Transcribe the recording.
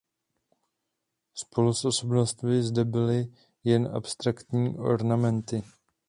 Spolu s osobnostmi zde byly jen abstraktní ornamenty.